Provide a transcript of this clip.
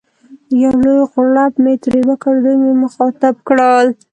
یو لوی غړپ مې ترې وکړ، دوی مې مخاطب کړل.